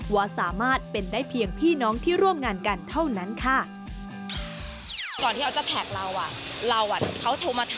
ว่าสามารถเป็นได้เพียงพี่น้องที่ร่วมงานกันเท่านั้นค่ะ